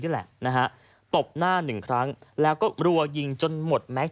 นี่แหละนะฮะตบหน้าหนึ่งครั้งแล้วก็รัวยิงจนหมดแม็กซ